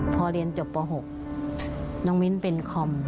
พอเรียนจบป๖น้องมิ้นเป็นคอม